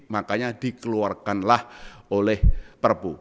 makanya dikeluarkanlah oleh perpu